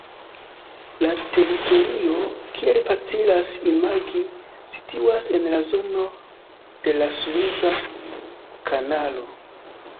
La teritorio, kiel facilas imagi, situas en la zono de la Sueza Kanalo.